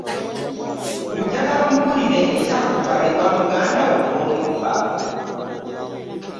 Njagala ombulire ekyakutwala ewa mugandawo n'omubba.